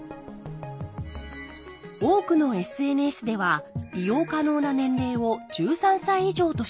多くのＳＮＳでは利用可能な年齢を１３歳以上としています。